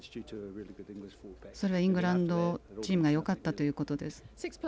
それはイングランドチームがよかったということです。